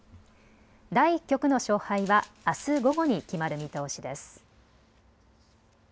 第１局の勝敗はあす午後に決まる見通しです。